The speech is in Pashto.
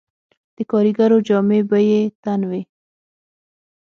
د کاریګرو جامې به یې تن وې